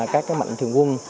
các mạnh thường quân